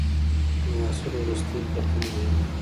د محصول وروستۍ کتنه مهمه ده.